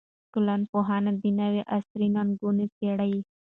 ټولنپوهنه د نوي عصر ننګونې څېړي.